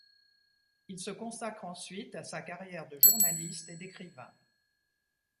Il se consacre ensuite à sa carrière de journaliste et d'écrivain.